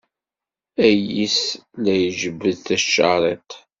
Ayis la ijebbed tacariḍt.